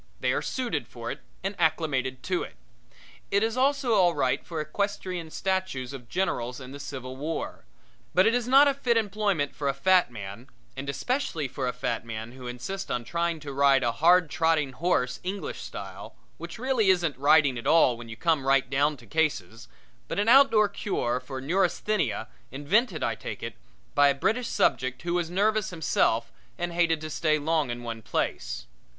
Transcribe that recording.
They are suited for it and acclimated to it. It is also all right for equestrian statues of generals in the Civil War. But it is not a fit employment for a fat man and especially for a fat man who insists on trying to ride a hard trotting horse English style, which really isn't riding at all when you come right down to cases, but an outdoor cure for neurasthenia invented, I take it, by a British subject who was nervous himself and hated to stay long in one place.